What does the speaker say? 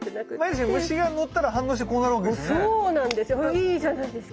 いいじゃないですか。